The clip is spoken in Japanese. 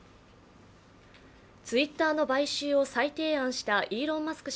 ツイッターの買収を再提案したイーロン・マスク